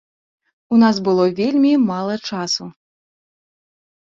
У нас было вельмі мала часу.